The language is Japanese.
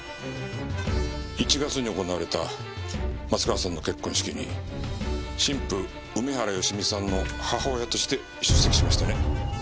１月に行われた松川さんの結婚式に新婦梅原芳美さんの母親として出席しましたね。